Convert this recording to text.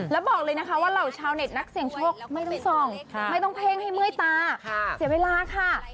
แล้วบอกเลยนะคะว่าเหล่าชาวเน็ตนักเสี่ยงโชคไม่ต้องส่องไม่ต้องเพ่งให้เมื่อยตาเสียเวลาค่ะ